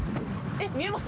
見えます？